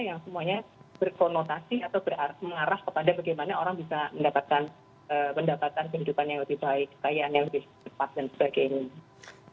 yang semuanya berkonotasi atau mengarah kepada bagaimana orang bisa mendapatkan kehidupan yang lebih baik kekayaan yang lebih cepat dan sebagainya